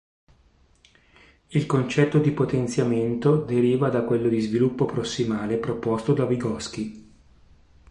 Il concetto di potenziamento deriva da quello di "sviluppo prossimale" proposto da Vygotskij.